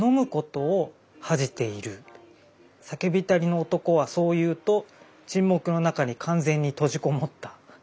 「酒びたりの男はそう言うと沈黙のなかに完全に閉じこもった。